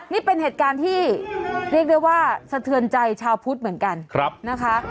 นี่เป็นเหตุการณ์ที่เรียกได้ว่าสะเทือนใจชาวพุทธเหมือนกันนะคะ